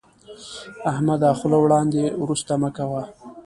احمده، خوله وړاندې ورسته مه کوه.